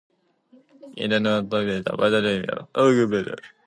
His doctoral dissertation was on William of Ockham.